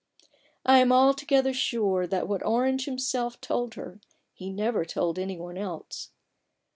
I am altogether sure that what Orange himself told her, he never told any one else.